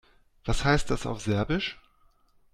Was heißt das auf Serbisch?